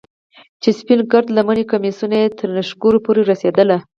چې سپين گرد لمني کميسونه يې تر ښنگرو پورې رسېدل.